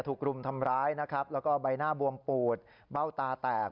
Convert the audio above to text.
ทุกมอเตอร์ไซค์ก็วิ่งสู่เข้าไปพี่ฮาเลย